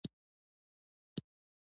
• ونه د اکسیجن ساه ده.